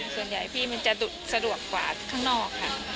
ส่วนใหญ่พี่มันจะสะดวกกว่าข้างนอกค่ะ